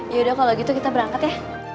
yaudah kalau gitu kita berangkat ya